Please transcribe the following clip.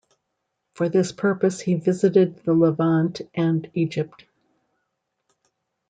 For this purpose he visited the Levant and Egypt.